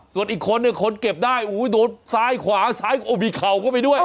ส่วนอีกคนเนี่ยคนเก็บได้โอ้โฮโดดซ้ายขวาซ้ายขวาโอ้มีเข่าก็ไปด้วย